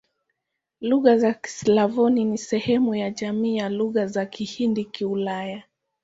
Lugha za Kislavoni ni sehemu ya jamii ya Lugha za Kihindi-Kiulaya.